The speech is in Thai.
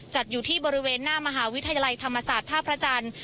จัดอยู่ที่บริเวณหน้ามหาวิทยาลัยธรรมศาสตร์ท่าพระจันทร์